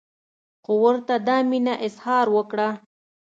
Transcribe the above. خو ورته دا مینه اظهار وکړه.